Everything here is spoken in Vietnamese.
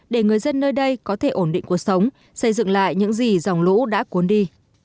để người dân nơi đây có thể ổn định cuộc sống xây dựng lại những gì dòng lũ đã cuốn đi